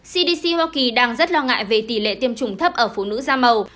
cdc hoa kỳ đang rất lo ngại về tỷ lệ tiêm chủng thấp ở phụ nữ da màu